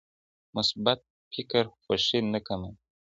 مثبت فکر خوښي نه کموي.